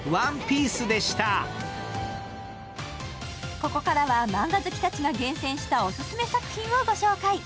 ここからはマンガ好きたちが厳選したオススメ作品をご紹介。